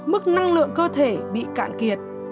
mức năng lượng cơ thể bị cạn kiệt